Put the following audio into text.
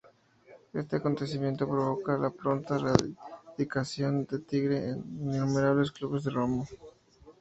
Este acontecimiento provoca la pronta radicación en Tigre de innumerables clubes de Remo.